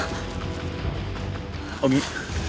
เอาอย่างนี้